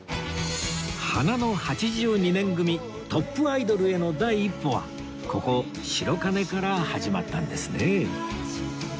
花の８２年組トップアイドルへの第一歩はここ白金から始まったんですね